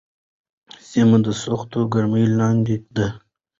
سیمه د سختې ګرمۍ لاندې ده.